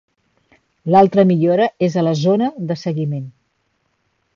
L'altra millora és a la zona de seguiment.